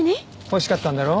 欲しかったんだろ？